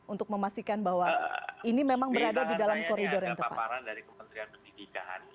untuk memastikan bahwa ini memang berada di dalam koridor yang tepat